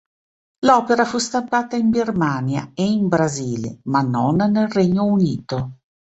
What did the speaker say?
L'opera fu stampata in Birmania e in Brasile ma non nel Regno Unito.